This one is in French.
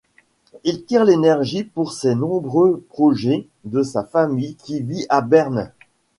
Il tire l'énergie pour ses nombreux projets de sa famille qui vit à Berne.